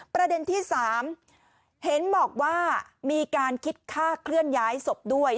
ประเด็นที่๓เห็นบอกว่ามีการคิดค่าเคลื่อนย้ายศพด้วย